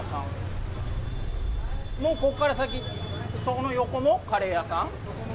もうここから先、そこの横もカレー屋さん？